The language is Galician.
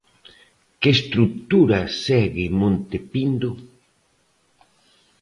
Que estrutura segue Monte Pindo.